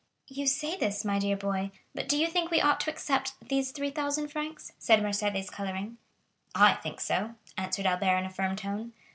"You say this, my dear boy; but do you think we ought to accept these 3,000 francs?" said Mercédès, coloring. "I think so," answered Albert in a firm tone.